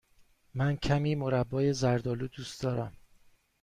من کمی مربای زرد آلو دوست دارم.